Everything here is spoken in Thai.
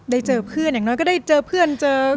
ได้เจอเพื่อนอย่างน้อยก็ได้เจอเพื่อนเจอพูดคุย